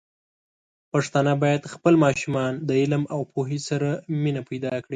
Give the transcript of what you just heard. پښتانه بايد خپل ماشومان د علم او پوهې سره مینه پيدا کړي.